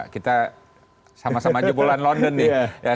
kita sama sama jebolan london nih